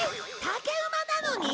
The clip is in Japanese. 竹馬なのに？